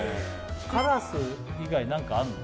カラス以外に何かあんの？